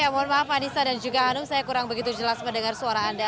mohon maaf anissa dan juga hanum saya kurang begitu jelas mendengar suara anda